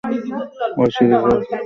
ঐ সিরিজে চার টেস্টে অংশ নেয় তার দল।